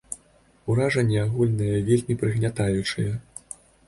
Уражанне агульнае вельмі прыгнятаючае.